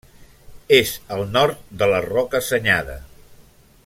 És al nord de la Roca Senyada.